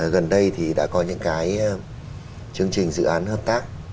gần đây thì đã có những cái chương trình dự án hợp tác